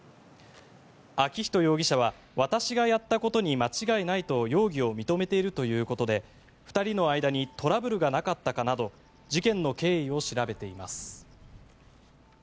昭仁容疑者は私がやったことに間違いないと容疑を認めているということで２人の間にトラブルがなかったかなど事件の経緯を調べています。